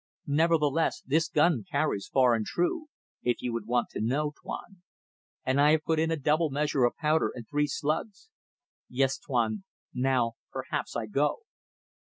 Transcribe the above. Nevertheless this gun carries far and true if you would want to know, Tuan. And I have put in a double measure of powder, and three slugs. Yes, Tuan. Now perhaps I go."